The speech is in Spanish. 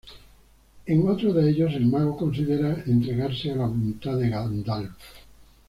En otro de ellos, el mago considera entregarse a la voluntad de Gandalf.